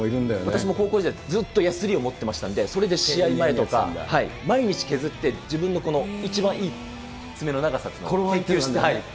私も高校時代、ずっとやすりを持ってましたんで、それで試合前とか、毎日削って自分の一番いい爪の長さっていうのを研究していたんで。